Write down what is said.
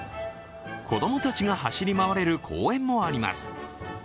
子供たちが走り回れる公園もあります。